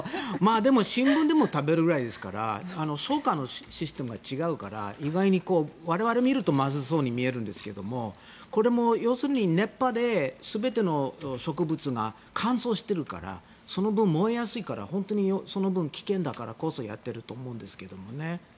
新聞でも食べさせるぐらいですから消化のシステムが違うから我々が見るとまずそうなんですがこれも要するに熱波で全ての植物が乾燥してるからその分、燃えやすいから本当にその分危険だからこそやっていると思うんですけれどもね。